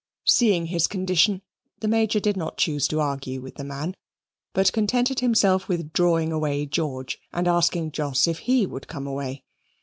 Seeing his condition the Major did not choose to argue with the man, but contented himself with drawing away George and asking Jos if he would come away.